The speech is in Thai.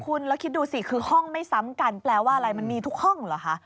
คุณแล้วคิดดูสิคือห้องไม่ซ้ำกันแปลว่าอะไรมันมีทุกห้องเหรอคะ